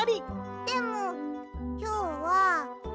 でもきょうは。